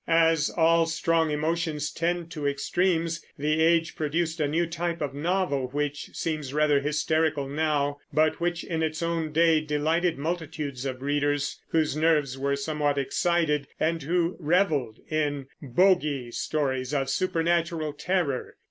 As all strong emotions tend to extremes, the age produced a new type of novel which seems rather hysterical now, but which in its own day delighted multitudes of readers whose nerves were somewhat excited, and who reveled in "bogey" stories of supernatural terror.